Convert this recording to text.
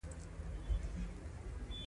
د وړۍ اوبدونکو مقابل لوری بریالي شول.